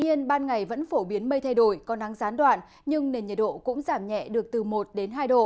tuy nhiên ban ngày vẫn phổ biến mây thay đổi có nắng gián đoạn nhưng nền nhiệt độ cũng giảm nhẹ được từ một đến hai độ